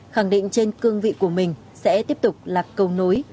khẳng định trên cương vị của mình sẽ tiếp tục là cầu nối